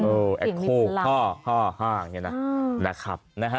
โอ้แอคโคห้อห้างอย่างนั้นนะครับ